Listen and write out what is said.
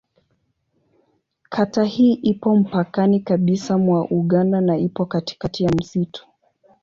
Kata hii ipo mpakani kabisa mwa Uganda na ipo katikati ya msitu.